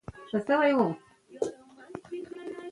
ولایتونه د افغانستان د اقلیم یوه ځانګړتیا ده.